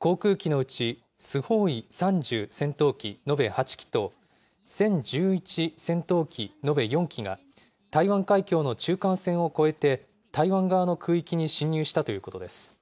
航空機のうちスホーイ３０戦闘機延べ８機と、せん１１戦闘機延べ４機が台湾海峡の中間線を越えて台湾側の空域に進入したということです。